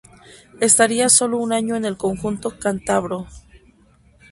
Estaría sólo un año en el conjunto cántabro.